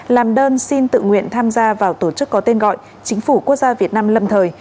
làm đơn xin tự nguyện tham gia vào tổ chức có tên gọi chính phủ quốc gia việt nam lâm thời